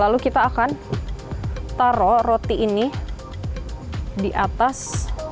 lalu kita akan taruh roti ini di atas